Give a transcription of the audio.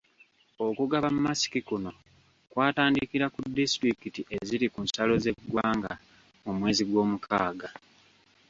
Okugaba masiki kuno kwatandikira ku disitulikiti eziri ku nsalo z’eggwanga mu mwezi gw’omukaaga.